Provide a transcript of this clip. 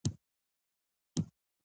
زموږ ژبه چې زموږ د فرهنګ هېنداره ده،